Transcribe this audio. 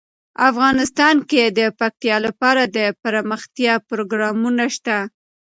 افغانستان کې د پکتیا لپاره دپرمختیا پروګرامونه شته.